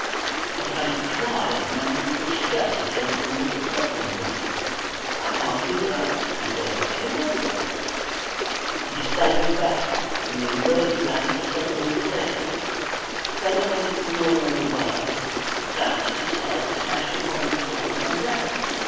A faint cry of mental distress came from Mr. Fotheringay. "I can't keep it up," he said, "any longer." He staggered back, and the inverted lamp suddenly flared, fell against the corner of the bar, bounced aside, smashed upon the floor, and went out.